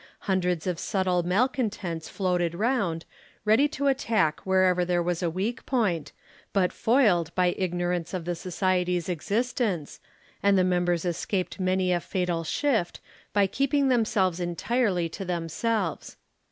Hundreds of subtle malcontents floated round, ready to attack wherever there was a weak point, but foiled by ignorance of the Society's existence, and the members escaped many a fatal shaft by keeping themselves entirely to themselves.